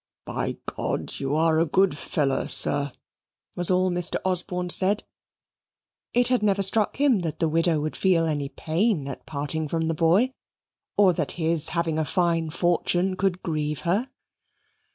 "By God, you are a good feller, sir," was all Mr. Osborne said. It had never struck him that the widow would feel any pain at parting from the boy, or that his having a fine fortune could grieve her.